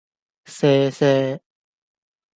射射